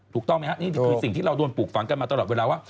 ถูกต้องไหมครับนี่คือสิ่งที่เราโดนปลูกฝังกันมาตลอดเวลาว่า